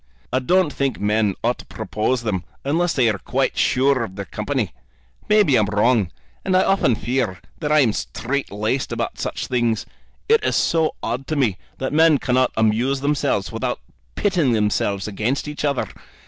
"I don't think men ought to propose them unless they are quite sure of their company. Maybe I'm wrong, and I often feel that I am strait laced about such things. It is so odd to me that men cannot amuse themselves without pitting themselves against each other.